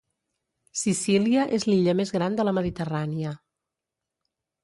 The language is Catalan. Sicília és l'illa més gran de la Mediterrània.